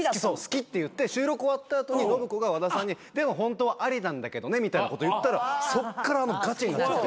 好きって言って収録終わった後に信子が和田さんにでもホントはありなんだけどねみたいなこと言ったらそっからガチになっちゃって。